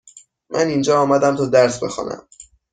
من اینجا آمدم تا درس بخوانم.